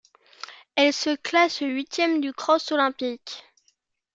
Elle se classe huitième du cross olympique.